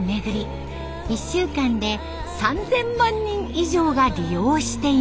１週間で３，０００万人以上が利用しています。